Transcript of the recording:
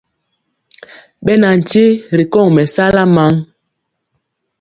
Ɓɛ na nkye ri kɔŋ mɛsala maŋ.